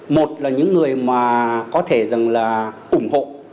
một là những người mà có thể rằng là ủng hộ